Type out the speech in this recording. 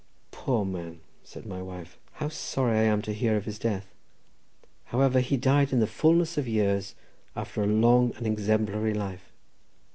"Poor man!" said my wife. "How sorry I am to hear of his death! However, he died in the fulness of years, after a long and exemplary life.